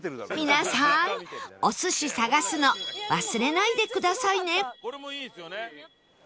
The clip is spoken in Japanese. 皆さん！お寿司探すの忘れないでくださいね？